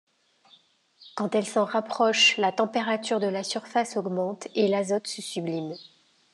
Quand elle s'en rapproche, la température de la surface augmente et l'azote se sublime.